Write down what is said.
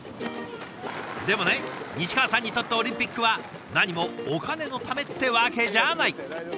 でもね西川さんにとってオリンピックはなにもお金のためってわけじゃない。